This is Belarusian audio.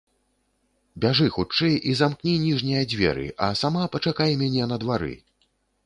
Бяжы хутчэй і замкні ніжнія дзверы, а сама пачакай мяне на двары.